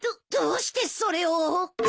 どどうしてそれを？